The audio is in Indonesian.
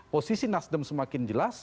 posisi nasdem semakin jelas